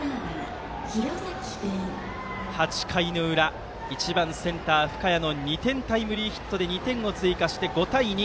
８回の裏１番センター深谷の２点タイムリーヒットで２点追加して、５対２。